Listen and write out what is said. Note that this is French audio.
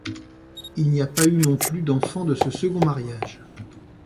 Il n'y a pas eu non plus d'enfants de ce second mariage.